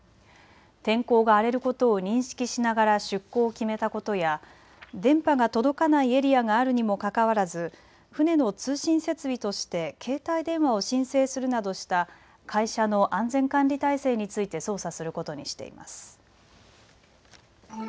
天候が荒れることを認識しながら出航を決めたことや電波が届かないエリアがあるにもかかわらず船の通信設備として携帯電話を申請するなどした会社の安全管理体制について捜査することにしています。